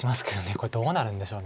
これどうなるんでしょう。